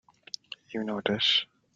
You know it is!